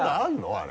あれ。